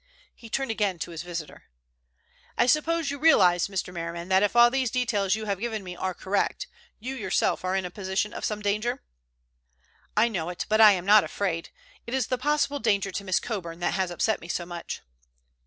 He turned again to his visitor. "I suppose you realize, Mr. Merriman, that if all these details you have given me are correct, you yourself are in a position of some danger?" "I know it, but I am not afraid. It is the possible danger to Miss Coburn that has upset me so much."